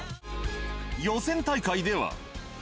予選大会では。